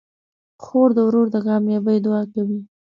خور د ورور د کامیابۍ دعا کوي.